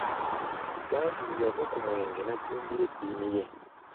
Badru yava ku mwenge n'ajjumbira eddiini ye.